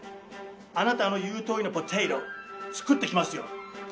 あなたの言うとおりのポテト作ってきますよ。